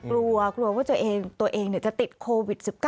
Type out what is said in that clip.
กลัวกลัวว่าตัวเองจะติดโควิด๑๙